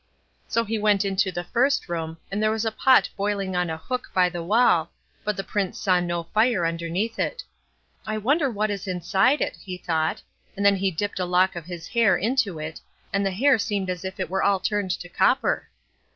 So he went into the first room, and there was a pot boiling on a hook by the wall, but the Prince saw no fire underneath it. I wonder what is inside it, he thought; and then he dipped a lock of his hair into it, and the hair seemed as if it were all turned to copper.